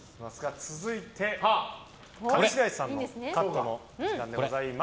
続いて、上白石さんのカットの時間でございます。